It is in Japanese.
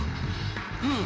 うん！